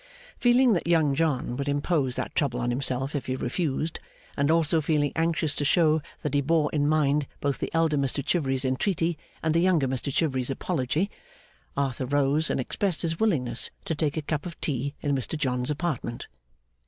Feeling that Young John would impose that trouble on himself if he refused, and also feeling anxious to show that he bore in mind both the elder Mr Chivery's entreaty, and the younger Mr Chivery's apology, Arthur rose and expressed his willingness to take a cup of tea in Mr John's apartment.